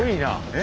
え？